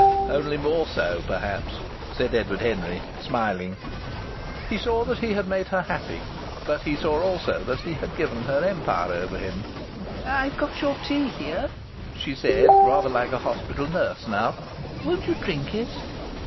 "Only more so perhaps," said Edward Henry, smiling. He saw that he had made her happy; but he saw also that he had given her empire over him. "I've got your tea here," she said, rather like a hospital nurse now. "Won't you drink it?"